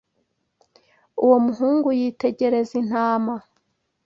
Uwo muhungu yitegereza intama.